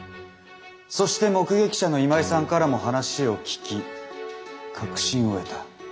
そして目撃者の今井さんからも話を聞き確信を得た。